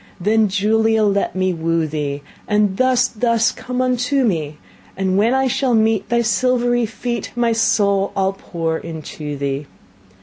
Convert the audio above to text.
"Then, Julia, let me woo thee, Thus, thus to come unto me; And when I shall meet Thy silvery feet, My soul I'll pour into thee."